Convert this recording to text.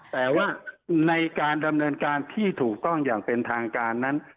แต่ว่าในการดำเนินการที่ถูกต้องอย่างเป็นทางการนั้น